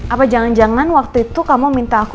apa jangan jangan waktu itu kamu minta aku